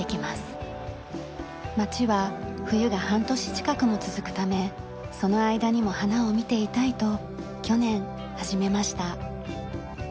町は冬が半年近くも続くためその間にも花を見ていたいと去年始めました。